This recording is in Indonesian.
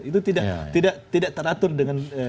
itu tidak teratur dengan